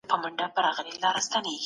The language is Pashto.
له تا چي راروان سم يو عالم راځي په مخه